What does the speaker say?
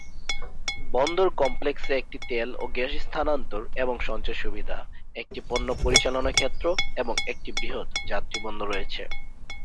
বন্দর কমপ্লেক্সে একটি তেল ও গ্যাস স্থানান্তর এবং সঞ্চয় সুবিধা, একটি পণ্য-পরিচালনা ক্ষেত্র এবং একটি বৃহত যাত্রী বন্দর রয়েছে।